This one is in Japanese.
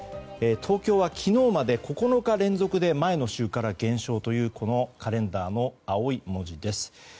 東京は昨日まで９日連続で前の週から減少というこのカレンダーの青い文字です。